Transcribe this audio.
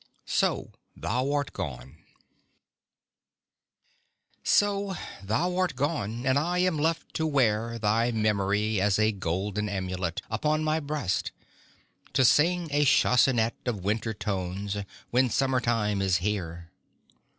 SO, THOU ART GONE So, thou art gone; and I am left to wear Thy memory as a golden amulet Upon my breast, to sing a chansonnette Of winter tones, when summer time is here.